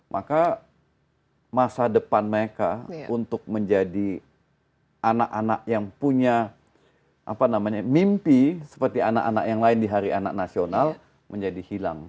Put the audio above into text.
maka masa depan mereka untuk menjadi anak anak yang punya mimpi seperti anak anak yang lain di hari anak nasional menjadi hilang